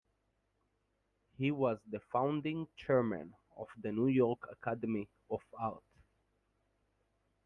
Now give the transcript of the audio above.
He was the founding chairman of the New York Academy of Art.